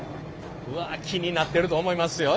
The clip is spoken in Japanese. うわ気になってると思いますよ